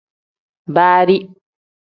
Baari.